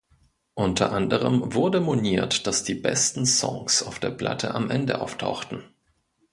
Unter anderem wurde moniert, dass die besten Songs auf der Platte am Ende auftauchten.